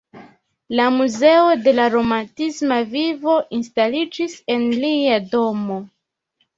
La Muzeo de la romantisma vivo instaliĝis en lia domo.